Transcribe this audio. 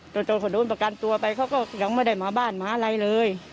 จนเขาโดนประกันตัวไปเขาก็ยังไม่ได้มาบ้านหมาอะไรเลย